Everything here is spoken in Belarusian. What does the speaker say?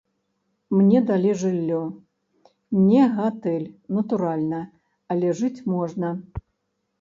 Мне далі жыллё, не гатэль, натуральна, але жыць можна.